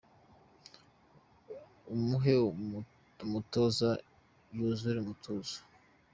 Umuhe umutozo yuzure umutuzo